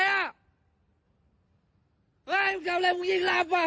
เฮ้ยทำอะไรผู้หญิงลาบอ่ะเฮ้ย